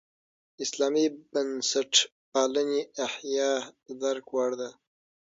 اسلامي بنسټپالنې احیا د درک وړ ده.